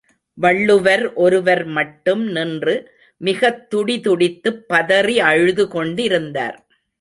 வள்ளுவர் ஒருவர் மட்டும் நின்று மிகத் துடி துடித்துப் பதறி அழுது கொண்டிருந்தார்.